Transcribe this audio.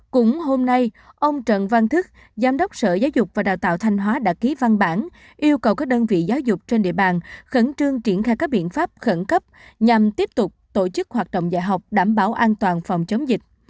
cũng hôm nay ông trần văn thức giám đốc sở giáo dục và đào tạo thanh hóa đã ký văn bản yêu cầu các đơn vị giáo dục trên địa bàn khẩn trương triển khai các biện pháp khẩn cấp nhằm tiếp tục tổ chức hoạt động dạy học đảm bảo an toàn phòng chống dịch